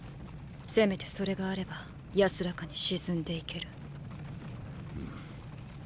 せめてそれがあれば安らかに沈んでいける。